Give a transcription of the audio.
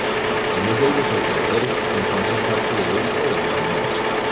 En ella y los alrededores se encuentra un parque eólico del mismo nombre.